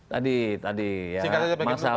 tadi tadi ya